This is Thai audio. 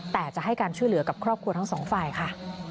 แต่จะให้การช่วยเหลือกับครอบครัวทั้งสองฝ่ายค่ะ